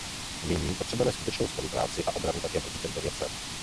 Nyní potřebujeme skutečnou spolupráci a obranu také proti těmto věcem.